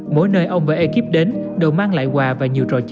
mỗi nơi ông và ekip đến đều mang lại quà và nhiều trò chơi